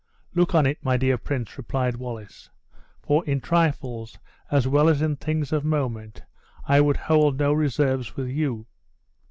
"Look on it, my dear prince," replied Wallace; "for in trifles, as well as in things of moment, I would hold no reserves with you."